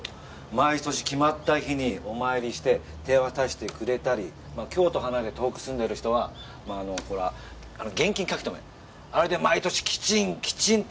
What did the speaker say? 毎年決まった日にお参りして手渡してくれたり京都離れて遠く住んでる人はまああのほら現金書留あれで毎年キチンキチンとね。